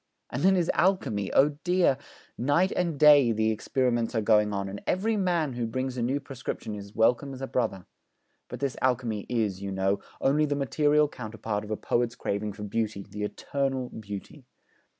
And then his alchemy! Oh dear, night and day the experiments are going on, and every man who brings a new prescription is welcome as a brother. But this alchemy is, you know, only the material counterpart of a poet's craving for Beauty, the eternal Beauty.